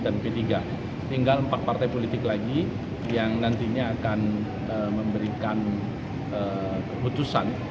dan pdi tinggal empat partai politik lagi yang nantinya akan memberikan keputusan